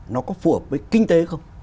nó có phù hợp với kinh tế không